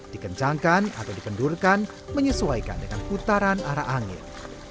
dikencangkan atau dikendurkan menyesuaikan dengan putaran arah angin